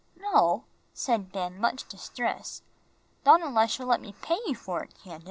"No," said Ben, much distressed, "not unless you'll let me pay you for it, Candace."